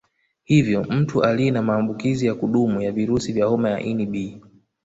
Hivyo Mtu aliye na maambukizi ya kudumu ya virusi vya homa ya ini B